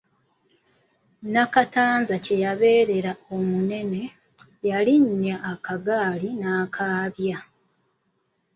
Nakatanza kye yabeerera omunene Yalinnya akagaali n'akaabya!